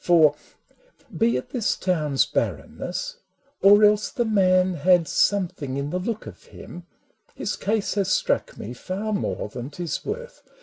For, be it this town's barrenness — or else The Man had something in the look of him — His case has struck me far more than 't is worth.